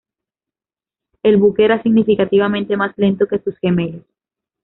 El buque era significativamente más lento que sus gemelos.